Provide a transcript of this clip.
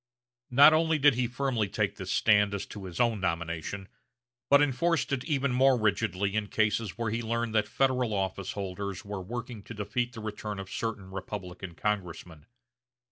Not only did he firmly take this stand as to his own nomination, but enforced it even more rigidly in cases where he learned that Federal office holders were working to defeat the return of certain Republican congressmen.